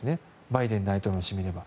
バイデン大統領にしてみれば。